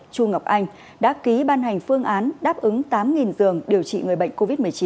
chu ngọc anh đã ký ban hành phương án đáp ứng tám giường điều trị người bệnh covid một mươi chín